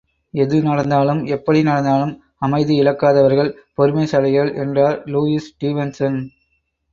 எது நடந்தாலும் எப்படி நடந்தாலும் அமைதி இழக்காதவர்கள் பொறுமைசாலிகள் என்றார் லூயிஸ் டீவென்சன்!